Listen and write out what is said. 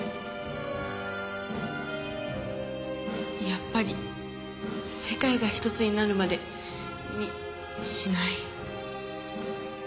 やっぱり「世界がひとつになるまで」にしない？